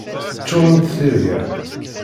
Ččurent d tirga.